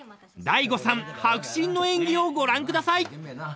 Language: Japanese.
［大悟さん迫真の演技をご覧ください］